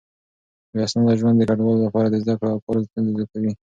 بې اسناده ژوند د کډوالو لپاره د زده کړو او کار ستونزې زياتوي.